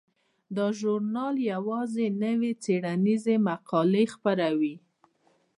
دا ژورنال یوازې نوې څیړنیزې مقالې خپروي.